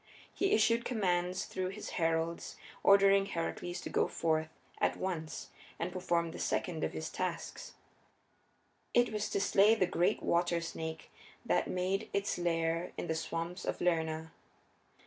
He issued commands through his heralds ordering Heracles to go forth at once and perform the second of his tasks. It was to slay the great water snake that made its lair in the swamps of Lerna.